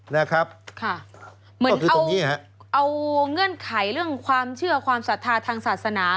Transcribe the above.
นะครับค่ะเหมือนเอาเงื่อนไขเรื่องความเชื่อความศรัทธาทางศาสนา